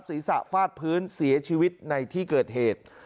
ศีรษะฟาดพื้นเสียชีวิตในที่เกิดเหตุ